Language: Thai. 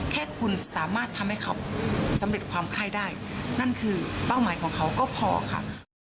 แค่คุณสามารถทำให้เขาสำเร็จความไข้ได้นั่นคือเป้าหมายของเขาก็พอค่ะ